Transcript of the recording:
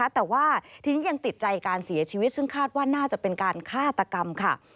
แต่ว่าทีนี้ยังติดใจการเสียชีวิตซึ่งคาดว่าน่าจะเป็นการฆาตกรรมค่ะ